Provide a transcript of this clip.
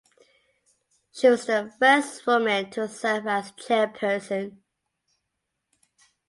She was the first women to serve as chairperson.